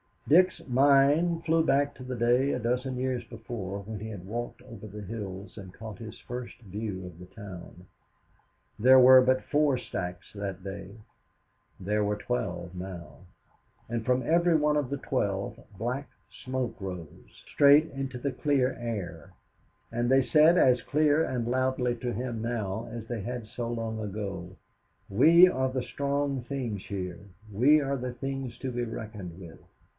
Dick's mind flew back to the day a dozen years before when he had walked over the hills and caught his first view of the town. There were but four stacks that day, there were twelve now, and from every one of the twelve black smoke rose, straight into the clear air, and they said as clear and loudly to him now as they had so long ago, "We are the strong things here, we are the things to be reckoned with."